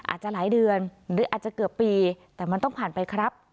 อาจจะหลายเดือนหรืออาจจะเกือบปีแต่มันต้องผ่านไปครับ